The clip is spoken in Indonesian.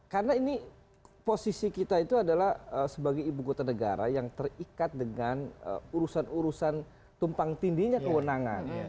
karena ini posisi kita itu adalah sebagai ibu kota negara yang terikat dengan urusan urusan tumpang tindinya kewenangan